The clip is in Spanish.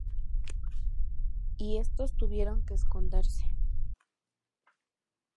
Y estos tuvieron que esconderse.